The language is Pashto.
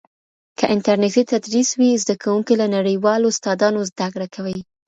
که انټرنېټي تدریس وي، زده کوونکي له نړیوالو استادانو زده کړه کوي.